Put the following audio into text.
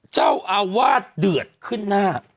เจ้าอาวาสเดือดขึ้นหน้า